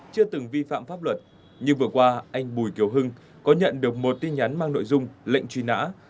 chưa từng vi phạm pháp luật như vừa qua anh bùi kiều hưng có nhận được một tin nhắn mang nội dung lệnh truy nã